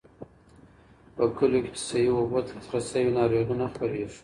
په کليو کې چې صحي اوبو ته لاسرسی وي، ناروغۍ نه خپرېږي.